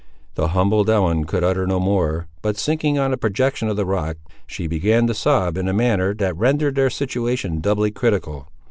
The humbled Ellen could utter no more, but sinking on a projection of the rock, she began to sob in a manner that rendered their situation doubly critical.